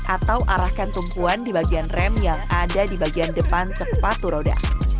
atau arahkan tumpuan di bagian rem yang ada di bagian depan sepatu roda